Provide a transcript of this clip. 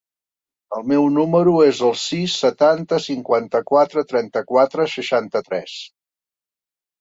El meu número es el sis, setanta, cinquanta-quatre, trenta-quatre, seixanta-tres.